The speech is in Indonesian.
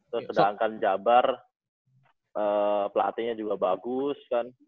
terus sedangkan jabar pelatihnya juga bagus kan